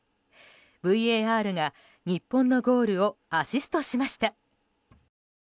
ＶＡＲが日本のゴールをアシストしました。